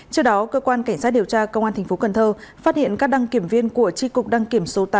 trước đó cơ quan cảnh sát điều tra công an tp cnh phát hiện các đăng kiểm viên của tri cục đăng kiểm số tám